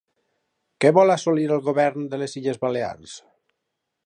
Què vol assolir el govern de les Illes Balears?